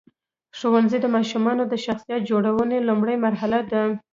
ښوونځی د ماشومانو د شخصیت جوړونې لومړۍ مرحله ده.